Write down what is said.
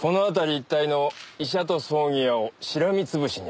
一帯の医者と葬儀屋をしらみつぶしに当たる事だ。